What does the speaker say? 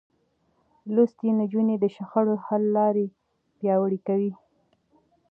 لوستې نجونې د شخړو حل لارې پياوړې کوي.